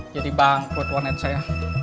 jadi bangkut warnet saya